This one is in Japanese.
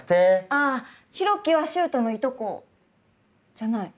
ああ浩暉は秀斗のいとこじゃない。